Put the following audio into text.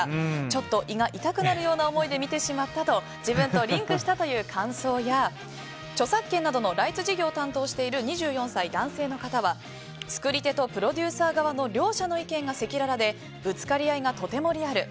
ちょっと胃が痛くなるような思いで見てしまったと自分とリンクしたという感想や著作権などのライツ事業を担当している２４歳男性の方は作り手とプロデューサー側の両者の意見が赤裸々でぶつかり合いがとてもリアル。